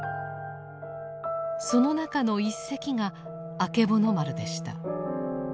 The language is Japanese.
その中の１隻があけぼの丸でした。